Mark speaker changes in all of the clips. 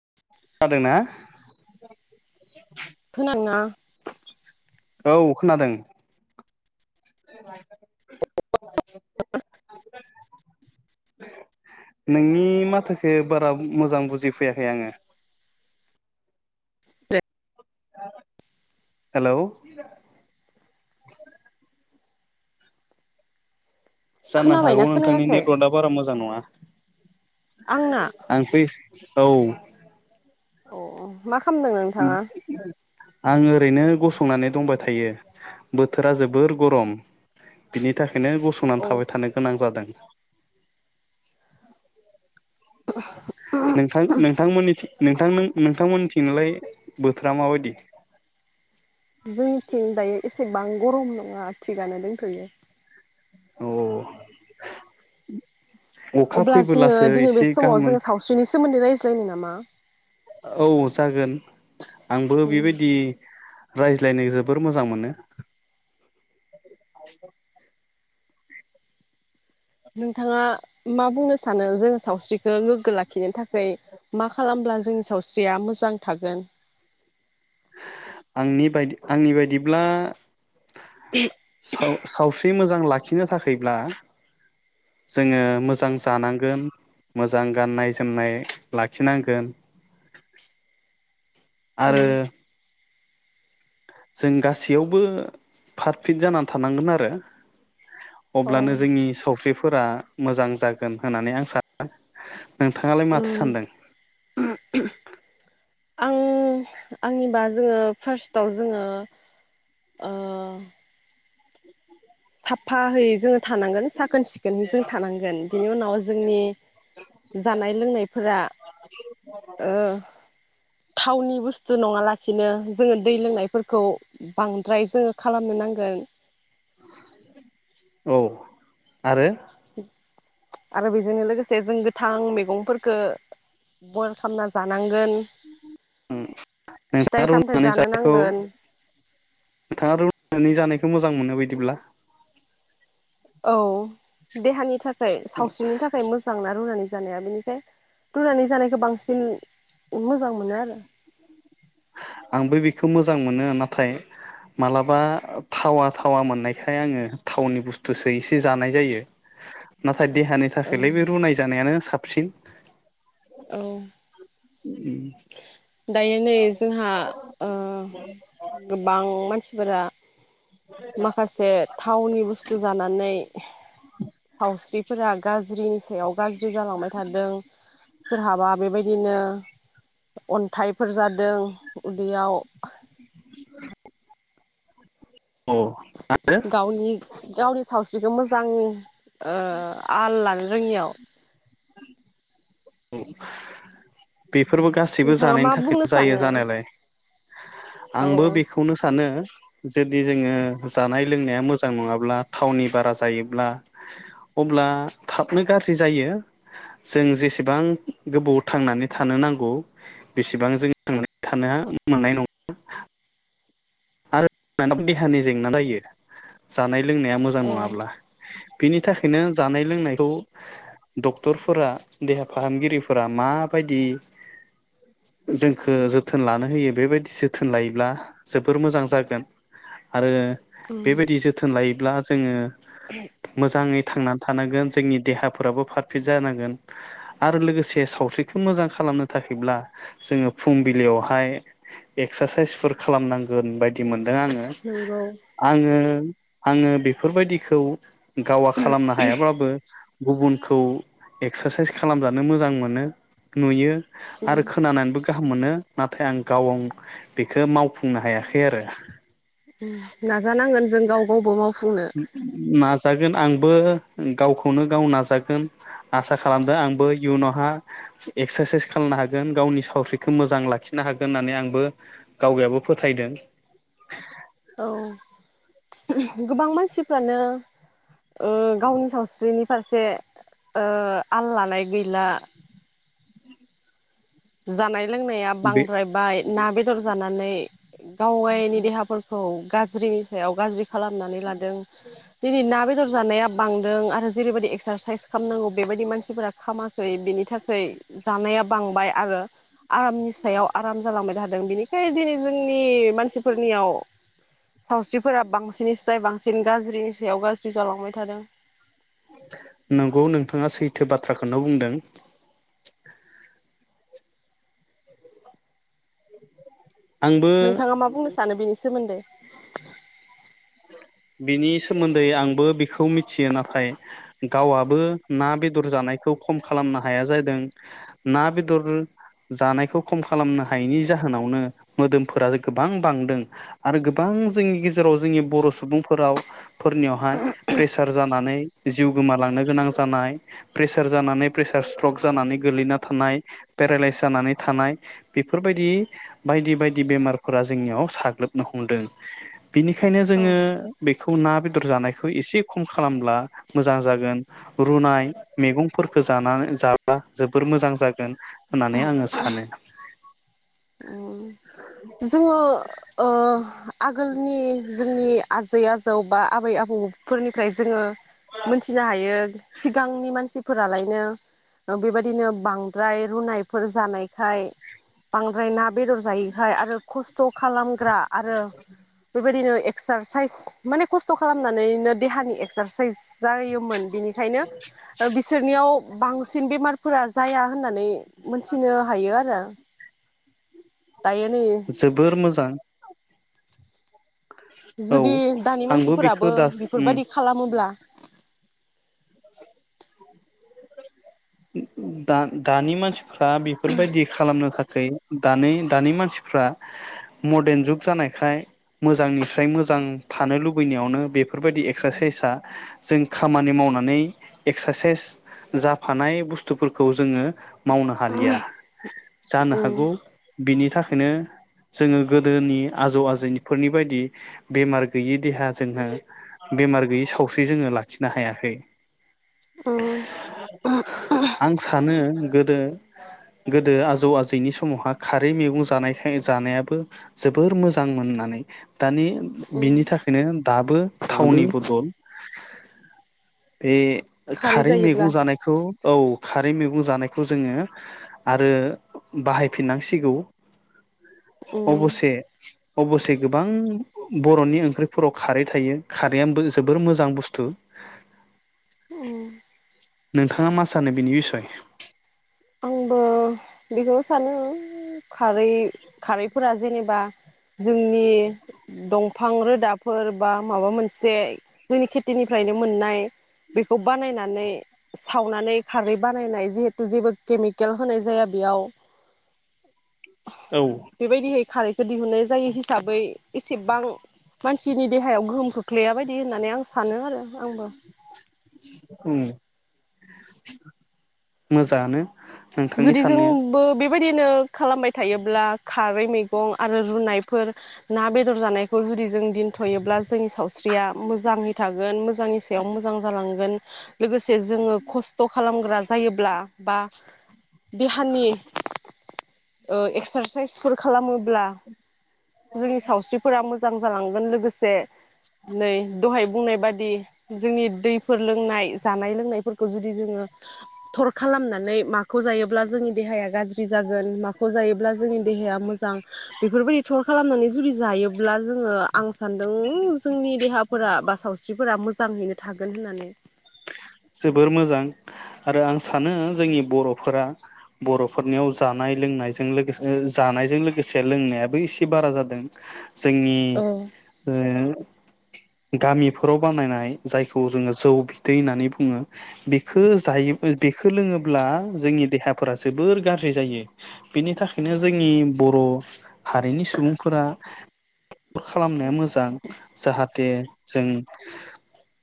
Speaker 1: [unintelligible]
Speaker 2: खोनादोंना
Speaker 1: औ खोनादों नोंनि माथोखो बारा मोजां बुजि फैयाखै आङो। हेलौ जाननो
Speaker 2: खोनाबायना
Speaker 1: हागौ नोंथांनि
Speaker 2: खोनायाखै
Speaker 1: नेटवार्कआ बारा मोजां नङा।
Speaker 2: आंना
Speaker 1: आं फै औ
Speaker 2: अ मा ख
Speaker 1: आंङो ओरैनो गसंनानै दंबाय थायो बोथोरा जोबोर गरम बिनि थाख खायनो
Speaker 2: औ
Speaker 1: गसंनानै थाबाय थानो गोनां जादों। नोंथां नोंथांमोननिथिं नोंथां नोंथांमोननिथिं लाय बोथोरा माबायदि?
Speaker 2: जोंनिथिं दायो एसेबां गरम नङा थिगानो दोंथयो।
Speaker 1: औ औ अखा
Speaker 2: अब्ला जोङो
Speaker 1: फैबोलासो
Speaker 2: दिनै बे
Speaker 1: एसे गाहाम
Speaker 2: समाव
Speaker 1: मोनो।
Speaker 2: जोङो सावस्रिनि सोमोन्दै रायज्लायनो नामा?
Speaker 1: औ जागोन। आंबो
Speaker 2: उम
Speaker 1: बेबायदि रायज्लायनो जोबोर मोजां मोनो। [unintelligible]
Speaker 2: नोंथाङा मा बुंनो सानो जोङो सावस्रिखौ गोगो ला खिनो थाखाय मा खालामब्ला जोंनि सावस्रिया मोजां थागोन।
Speaker 1: आंनि बायदि आंनि बायदिब्ला। साव सावस्रि मोजां लाखि खिनो थाखायब्ला जोङो मोजां जानांगोन मोजां गाननाय जोमनाय लाखिनांगोन।
Speaker 2: उम
Speaker 1: आरो जों गासैयावबो पाट पिट जानानै थानांगोन आरो।
Speaker 2: औ
Speaker 1: अब्लानो जोंनि सावस्रिफो फोरा मोजां जागोन होननानै आं सानो नोंथाङालाय माथो
Speaker 2: उम
Speaker 1: सानदों?
Speaker 2: आं आंनिबा जोङो फार्स्टआव जोङो ओ साफाहै जोङो थानांगोन साखोन सिखोनै जों थानांगोन बिनि उनाव जोंनि जानाय लोंनायफोरा ओ थावनि बुस्थु नङाला सिनो जोङो दै लोंनायफोरखौ बांद्राय जोङो खालामनो नांगोन
Speaker 1: औ आरो
Speaker 2: आरो बिजों लोगो से जों गोथां मैगंफोरखो बयल खालामना जानांगोन
Speaker 1: नोंथाङा
Speaker 2: फिथाइ सामथाइ
Speaker 1: रुनानै
Speaker 2: जानो
Speaker 1: जानायखौ
Speaker 2: नांगोन
Speaker 1: नोंथाङा रुनानै जानायखो मोजां मोनो बिदिब्ला
Speaker 2: औ देहानि थाखाय सावस्रिनि थाखाय मोजां ना रुनानै जानाया बेनिखाय रुनानै जानायखौ बांसिन मोजां मोनो आरो
Speaker 1: आंबो बेखौ मोजां मोनो नाथाय मालाबा थावा थावा मोननायखाय आङो थावनि बुस्थुसो एसे जानाय जायो ना थाय देहानि थाखायलाय बे रुनाय जानायानो साब सिन
Speaker 2: औ दायो नै जोंहा ओ गोबां मानसिफोरा माखासे थावनि बुस्थु जानानै सावस्रिफोरा गाज्रिनि सायाव गाज्रि जालांबाय थादों सोरहाबा बेबायदिनो अन्थाइफोर जादों उदैयाव
Speaker 1: [inaudible] अ आरो
Speaker 2: गावनि-गावनि सावस्रि खौ मोजां ओ आलला रोङियाव
Speaker 1: औ बेफोरबो गासैबो
Speaker 2: नोंथाङा
Speaker 1: जानायनि
Speaker 2: मा बुंनो
Speaker 1: थाखायनो जायो
Speaker 2: सानो
Speaker 1: जानायालाय
Speaker 2: औ औ
Speaker 1: आंबो बेखौनो सानो। जुदि जोङो जानाय लोंनाया मोजां नङाब्ला थावनि बारा जायोब्ला अब्ला थाबनो गाज्रि जायो जों जेसे बां गोबाव थांनानै थानो नांगौ बेसेबां जों थांनानै थानो मोननाय नङा। आरो देहानि जेंना जायो जानाय लोंनाया मोजां
Speaker 2: औ
Speaker 1: नङाब्ला। बिनि थाखायनो जानाय लोंनायखौ डक्टरफोरा देहा फाहामगिरिफोरा माबायदि जोंखौ जोथोन लानो होयो बेबायदि जोथोन लायोब्ला जोब बोर मोजां जागोन। आरो
Speaker 2: उम
Speaker 1: बेबायदि जोथोन लायो ब्ला जोङो। मोजाङै थांनानै थानांगोन जोंनि देहाफोराबो पारफेक्ट जानांगोन आरो लोगोसे सावस्रिखौ मोजां खालामनो थाखायब्ला जोङो फुंबिलियावहाय एक्सारसाइसफोर खालामनां गोन बाय दि मोनदों आङो
Speaker 2: नंगौ
Speaker 1: आङो आङो बेफोरबायदिखौ गावा खालामनो हायाब्लाबो गुबुनखौ एक्सारसाइस खालामजानो मोजां मोनो नुयो।
Speaker 2: उम
Speaker 1: आरो खोनानानैबो गाह हाम मोनो नाथाय आं गावा बेखौ मावफुंनो हाया खै आरो
Speaker 2: उम नाजानांगोन जों गाव गावबा बो माव
Speaker 1: ओम नाजागोन। आंबो गावखौनो गाव नाजागोन आसा खालामदों आंबो इयुनावहा एक्सारसाइस खालामनो हागोन गावनि सावस्रिखौ मोजां लाखिनो हागोन होननानै आंबो गावयाबो फोथायदों।
Speaker 2: औ गोबां मानसिफ्रानो ओ गावनि सावस्रिनि फारसे ओ आल लानाय गैला। जानाय लोंनाया
Speaker 1: बे
Speaker 2: बांद्रायबाय। ना बेदर जानानै गाव गायनि देहाफोरखौ गाज्रिनि सायाव गाज्रि खालामनानै लादों। दिनै ना बेदर जानाया बांदों आथ जेरैबायदि एक्सारसाइस खालामनांगौ बेबायदि मानसिफोरा खामाखै बेनि था खै जानाया बां आरो आरामनि सायाव आराम जालांबाय थादों बेनिखायनो दिनै जोंनि मानसिफोरनियाव सावस्रिफोरा बांसिनस्राय बांसिन गाज्रिनि सायाव गाज्रि जालांबाय थादों।
Speaker 1: नंगौ नोंथाङा सैथो बाथ्रा खौनो बुंदों। आंबो
Speaker 2: नोंथाङा मा बुंनो सा सानो बिनि सोमोन्दै।
Speaker 1: बिनि सोमोन्दै आंबो बेखौ मिथियो नाथाय गावआबो ना बेदर जानायखौ खम खालामनो हाया जादों। ना बेदर जानायखौ खम खालामनो हायैनि जाहोनावनो मोदोमफोरा गोबां बांदों आरो गोबां जोंनि गेजेराव जोंनि बर' सुबुं फोराव फोरनियावहाय प्रेसार जानानै जिउ गोमालांनो गोनां जानाय प्रेसार जानानै प्रेसार स्ट्रक जानानै गोग्लैना थानाय पेरालाइस जानानै थानाय बेफोरबायदि बायदि बायदि बेमारफोरा जोंनियाव साग्लोबनो हमदों। बिनिखायनो
Speaker 2: औ
Speaker 1: जोङो बेखौ ना बेदर जानायखौ एसे खम खालामब्ला मोजां जागोन रुनाय मैगंफोरखौ जानानै जाब्ला जोबोर मोजां जागोन होननानै आङो सानो ।
Speaker 2: जोङो ओ आगोलनि जोंनि आजै आज जौ बा आबै आबौफोरनिफ्राय जोङो मोनथिनो हायो सिगांनि मानसि फोरालायनो बेबायदिनो बांद्राय रुनायफोर जानायखाय बांद्राय ना बेदर जायो आरो खस्थ खालाम ग्रा आरो बेबायदिनो एक सारसाइ माने खस्थ खालामनानैनो देहानि एक्सारसाइस जायो मोन बिनिखायनो बिसोरनियाव बांसिन बेमारफोरा जाया होननानै मोनथिनो हायो आरो दायो नै
Speaker 1: जोबोर मोजां । [inaudible]
Speaker 2: जुदि दानि
Speaker 1: आंबो
Speaker 2: मानसिफोराबो
Speaker 1: बेखौ दा
Speaker 2: बेफोरबायदि खालामोब्ला
Speaker 1: दा-दानि मानसि फ्रा बेफोरबायदि खालामनो थाख खै दानि दानि मानसिफ्रा मदेन जुग जानायखाय मोजांनिफ्राय मोजां थानो लुबैनायावनो बेफोरबायदि एक्सारसाइसआ जों खामानि मावनानै एक्सारसाइस जा हानाय बुस्थुफोरखौ जोङो मावनो हालिया । जानो हागौ बिनि थाखायनो जोङो गोदोनि आजौ आजैफोरनि फोरनि बायदि बेमार गैयै देहा जोंनो बेमार गैयै सावस्रि जोङो लाखिनो हायाखै
Speaker 2: उम ।
Speaker 1: आं सानो गोदो गोदो आजौ आजैनि समावहा खारै मैगं जानायखाय जानायाबो जोबोर मोजांमोननानै दानि बिनि थाखायनो दाबो
Speaker 2: दाबो
Speaker 1: थावनि बदल बे खारै मैगं जानाय औ खारै मैगं जानायखौ जोङो आरो बाहायफिननांसिगौ
Speaker 2: उम
Speaker 1: अबसे अबसे गोबां बरनि ओंख्रिफोराव खारै थायो खारैआ जोबोर मोजां बुस्थु
Speaker 2: उम
Speaker 1: नोंथाङा मा सानो बिनि बिसय?
Speaker 2: आंबो बेखौ सानो खारै खारैफोरा जेनेबा जोंनि दं फां रोदाफोर बा माबा मोनसे जोंनि खेथिनिफ्रायनो मोननाय बेखौ बानायनानै सावनानै खारै बानायनाय जे जेबो केमिकेल होननाय जाया बेयाव
Speaker 1: औ
Speaker 2: बेबायदिहै खारै दिहुनाय जायो हिसाबै एसेबां मानसिनि देहायाव गोहोम खोख्लैया बायदि होननानै आं सानो आरो आंबो।
Speaker 1: उम मोजाङानो। नोंथांनि
Speaker 2: जुदि
Speaker 1: साननाया
Speaker 2: जोंबो बे- बेबायदिनो खालामबाय थायोब्ला खारै मैगं आरो रुनायफोर ना बेदर जानायखौ जुदि जों दोनथयोब्ला जोंनि सावस्रिया मोजाङै थागोन मोजाङै सायाव मोजां जालांगोन लोगोसे जोङो खस्थ खालामग्रा जायोब्ला बा। देहानि ओ एक्सारसाइसफोर खालामोब्ला जोंनि सावस्रिफोरा मोजां जालांगोन लोगोसे नै दहाय बुंनाय बादि जोंनि दैफोर लोंनाय जानाय लोंनायफोरखौ जुदि जोङो थर खालामनानै माखौ जायोब्ला जोंनि देहाया गाज्रि जागोन माखौ जायोब्ला जोंनि देहाया मोजां बेफोरबायदि थर खालामनानै जुदि जायोब्ला जोङो आं सानदों जोंनि देहाफोरा बा सावस्रिफोरा मोजाङैनो थागोन होननानै
Speaker 1: जोबोर मोजां आरो आं सानो जोंनि बर'फोरा बर'फोरनि याव जानाय लोंनायजों लोगोसे जानायजों लोगोसे लोंनायाबो एसे बारा जादों। जोंनि
Speaker 2: औ
Speaker 1: ओ। गामिफोराव बानायनाय जायखौ जोङो जौ बिदै होननानै बुङो। बुङो बेखौ जायो बेखौ जायो लोङोब्ला जोंनि देहाफोरा जोबोर गाज्रि जायो बेनि थाखायनो जोंनि बर' हारिनि सुबुंफोरा खालामनाया मोजां जाहाथे जों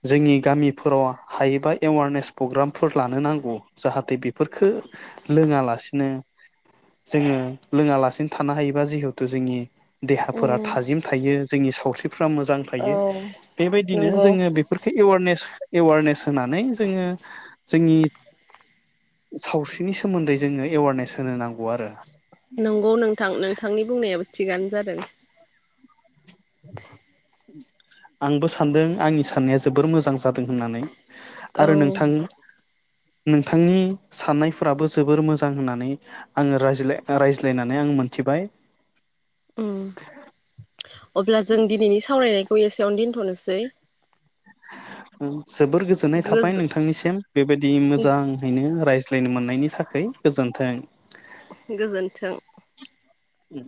Speaker 1: जोंनि गामिफोराव हायोबा एवारनेस प्रग्रामफोर लानो नांगौ जाहाथे बेफोरफोरखो लोङालासिनो जोङो लोङालासिनो थानो हायोबा जिहेथु जोंनि देहाफोरा थाजिम थायो जोंनि सावस्रि फ्रा मोजां
Speaker 2: औ
Speaker 1: थायो बेबायदिनो
Speaker 2: नंगौ
Speaker 1: जोङो बेफोरखौ एवारनेस एवर्नेस होनानै जोङो जोंनि सावस्रिनि सोमोन्दै जोङो एवारनेस होनो नांगौ आरो।
Speaker 2: नंगौ नोंथां नोंथांनि बुंनायाबो थिगानो जादों।
Speaker 1: [inaudible] आंबो सानदों आंनि साननाया जोबोर मोजां जादों होननानै। आरो
Speaker 2: औ
Speaker 1: नोंथां नोंथांनि साननायफोराबो जोबोर मोजां होननानै आङो रायज्ला‌-रायज्लायनानै आं मोनथिबाय।
Speaker 2: उम। अब्ला जों दिनैनि सावरायनाय एसेयावनो दिनथनोसै।
Speaker 1: उम। जोबोर गोजोननाय थाबाय
Speaker 2: गोजो
Speaker 1: नोंथांनिसिम बेबायदि मोजाङैनो रायज्लाय [unintelligible] मोननायनि थाखै गोजोन्थों।
Speaker 2: गोजोन्थों।
Speaker 1: उम।